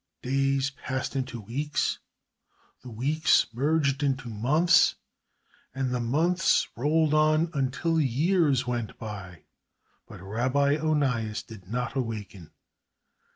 Days passed into weeks, the weeks merged into months, and the months rolled on until years went by; but Rabbi Onias did not waken.